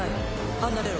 離れろ。